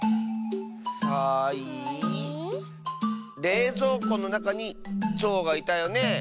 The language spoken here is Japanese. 「れいぞうこ」のなかに「ぞう」がいたよねえ。